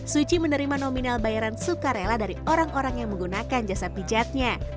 suci menerima nominal bayaran sukarela dari orang orang yang menggunakan jasa pijatnya